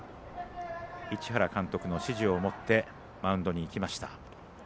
栗島が市原監督の指示を持ってマウンドに行きました。